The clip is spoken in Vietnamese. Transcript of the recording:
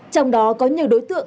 trong đó có nhiều đối tượng